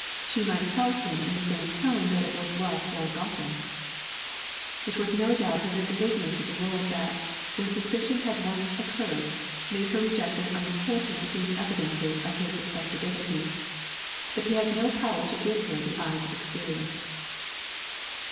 She might tell him in the same tone that it was wealth ill gotten. It was no doubt her very ignorance of the world that, when suspicion had once occurred, made her reject as unimportant these evidences of his respectability, but he had no power to give her the eyes of experience.